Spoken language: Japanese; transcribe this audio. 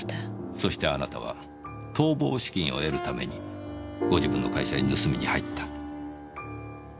そしてあなたは逃亡資金を得るためにご自分の会社に盗みに入った。